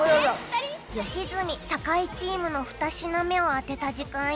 「吉住・酒井チームの２品目を当てた時間より」